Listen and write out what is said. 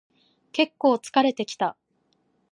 けっこう疲れてきた